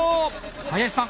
林さん